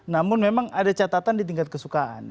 namun memang ada catatan di tingkat kesukaan